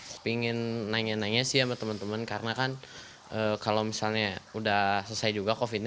saya pengen nanya nanya sih sama temen temen karena kan kalau misalnya udah selesai juga covidnya